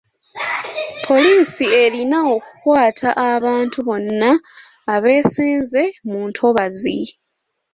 Poliisi erina okukwata abantu bonna abeesenza mu ntobazi.